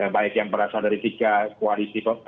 baik yang berasal dari tiga koalisi